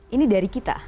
ini dari kita